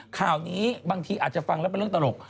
ข่าวนี้บางทีอาจจะฟังแล้วเป็นเรื่องตลก